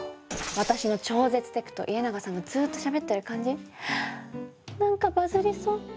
私の超絶テクと家長さんのずっとしゃべってる感じなんかバズりそう！